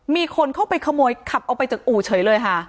มีคนเข้าไปขโมยขับออกไปจากอู่เฉยเลยค่ะ